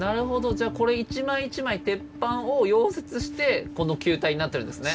じゃあこれ一枚一枚鉄板を溶接してこの球体になってるんですね。